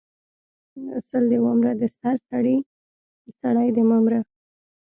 سل دی ومره د سر سړی د مه مره